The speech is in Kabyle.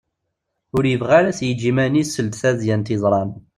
Ur yebɣi ara ad t-yeǧǧ iman-is seld tadyant yeḍran.